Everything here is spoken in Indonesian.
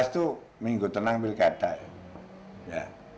itu minggu tenang pilkada